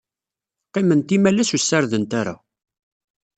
Qqiment imalas ur ssardent ara.